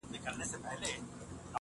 سم د قصاب د قصابۍ غوندي.